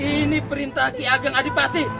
ini perintah ki ageng adipati